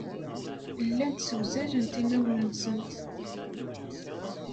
Llant ssewzalent inawen-nsent.